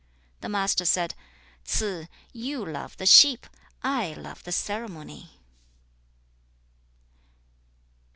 2. The Master said, 'Ts'ze, you love the sheep; I love the ceremony.'